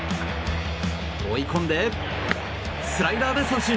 追い込んで、スライダーで三振！